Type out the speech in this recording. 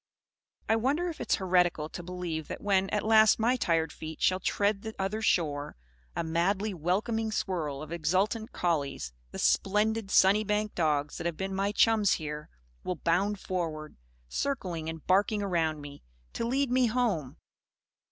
I wonder if it is heretical to believe that when at last my tired feet shall tread the Other Shore, a madly welcoming swirl of exultant collies the splendid Sunnybank dogs that have been my chums here will bound forward, circling and barking around me, to lead me Home!